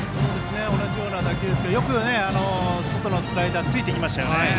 同じような打球ですけどよく外のスライダーを突いていきましたね。